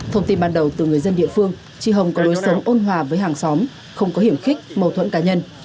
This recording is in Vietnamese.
thông tin ban đầu từ người dân địa phương trì hồng có đối xóm ôn hòa với hàng xóm không có hiểm khích mâu thuẫn cá nhân